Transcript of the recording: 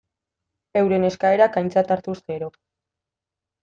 Euren eskaerak aintzat hartuz gero.